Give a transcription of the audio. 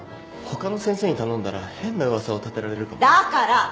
他の先生に頼んだら変な噂を立てられるかも。